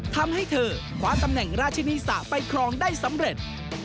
ทำให้เธอคว้าตำแหน่งราชินีสะไปครองได้สำเร็จ